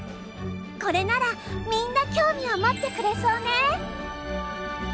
これならみんな興味を持ってくれそうね。